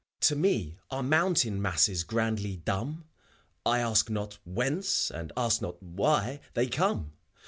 FAUST. To me are mountain masses grandly dumb: I ask not, Whence? and ask not, Why? they come.